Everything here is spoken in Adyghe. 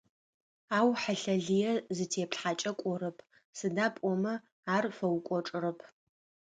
Ау хьылъэ лые зытеплъхьэкӏэ кӏорэп, сыда пӏомэ ар фэукӏочӏырэп.